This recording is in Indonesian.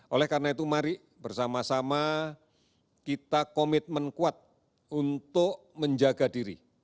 oleh karena itu mari bersama sama kita komitmen kuat untuk menjaga diri